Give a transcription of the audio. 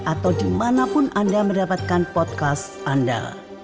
atau dimanapun anda mendapatkan podcast anda